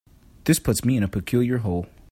This puts me in a peculiar hole.